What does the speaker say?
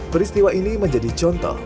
peristiwa ini menjadi contoh